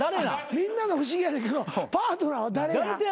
みんなの不思議やねんけどパートナーは誰や？